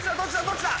どっちだ？